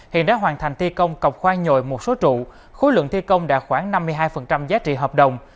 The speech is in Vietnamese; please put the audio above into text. hiện đã hoàn thành thi công cọc khoan nhồi một số trụ khối lượng thi công đạt khoảng năm mươi hai giá trị hợp đồng